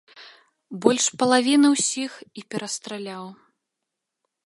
Больш палавіны ўсіх і перастраляў.